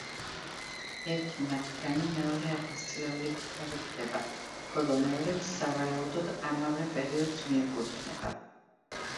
ერთი მათგანი მეორე ათასწლეულით თარიღდება, ხოლო მეორეც სავარაუდოდ ამავე პერიოდს მიეკუთვნება.